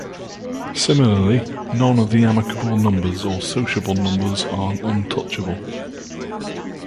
Similarly, none of the amicable numbers or sociable numbers are untouchable.